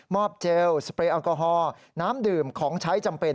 เจลสเปรยแอลกอฮอล์น้ำดื่มของใช้จำเป็น